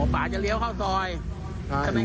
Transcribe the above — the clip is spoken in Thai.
อ๋อป่าจะเลี้ยวเข้าซอย